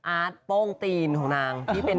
อาร์ตโป้งตีนของนางที่เป็น